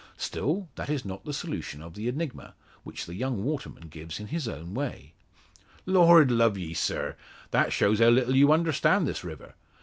Still, that is not the solution of the enigma, which the young waterman gives in his own way, "Lord love ye, sir! That shows how little you understand this river.